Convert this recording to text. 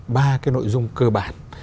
ba cái nội dung cơ bản